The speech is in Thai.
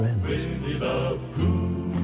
วินี่เดอะพูล